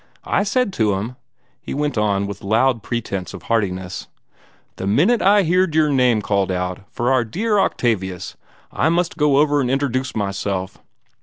"I said to 'em," he went on with loud pretence of heartiness, "the minute I heerd your name called out for our dear Octavius, 'I must go over an' interduce myself.'